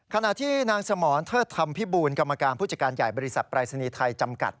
ขณะที่นางสมรเทิดธรรมพิบูลกรรมการผู้จัดการใหญ่บริษัทปรายศนีย์ไทยจำกัด